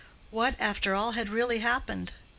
What, after all, had really happened?